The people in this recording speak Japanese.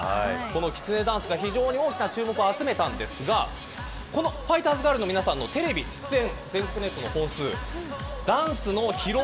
このきつねダンスが大きな注目を集めたんですがこのファイターズガールの皆さんのテレビ出演の全国ネットの本数ダンスの披露